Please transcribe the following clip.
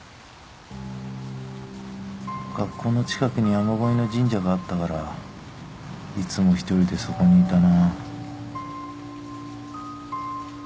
学校の近くに雨乞いの神社があったからいつも１人でそこにいたな。